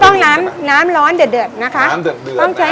น้ำร้อนเดือดนะคะ